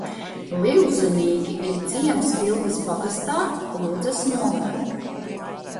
Liuzinīki ir ciems Pildas pagastā, Ludzas novadā.